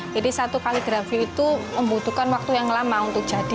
jadi satu kaligrafi itu membutuhkan waktu yang lama untuk jadi